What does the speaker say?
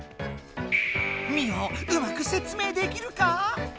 ミオうまくせつ明できるか？